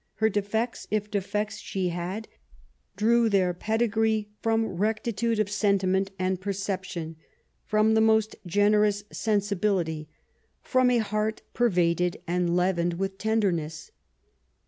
Her defects^ if defects she had, drew their pedigree from rectitude of sentiment and perception, from the most generous sensibility, from a heart pervaded and leavened with tenderness.